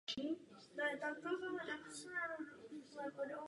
Pro bezpečnost představuje příliš velkou hrozbu a proto se rozhodne zemřít.